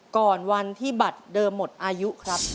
ก่อนวันที่บัตรเดิมหมดอายุครับ